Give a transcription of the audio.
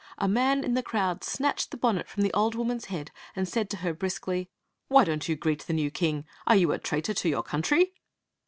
A man in the crowd snatched the bonnet from the old woman's head, and said to her brusquely: " Why don't you greet the new king? Are you a traitor to your country